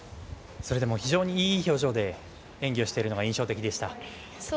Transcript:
それでも非常にいい表情で演技をしているのが印象的でした。